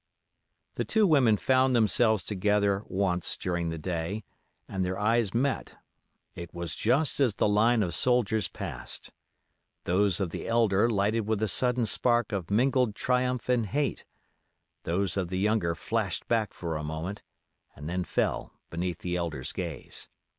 The two women found themselves together once during the day, and their eyes met. It was just as the line of soldiers passed. Those of the elder lighted with a sudden spark of mingled triumph and hate, those of the younger flashed back for a moment and then fell beneath the elder's gaze.